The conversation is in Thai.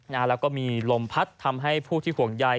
แล้วก็มีลมพัดทำให้ผู้ที่ห่วงใย